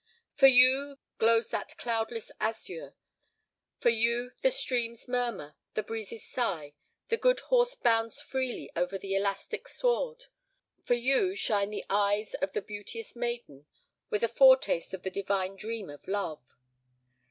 For you, glows that cloudless azure; for you the streams murmur, the breezes sigh, the good horse bounds freely over the elastic sward; for you shine the eyes of the beauteous maiden with a fore taste of the divine dream of love.